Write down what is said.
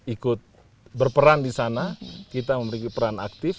ikut berperan di sana kita memiliki peran aktif